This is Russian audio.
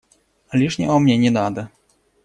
Лишнего мне не надо.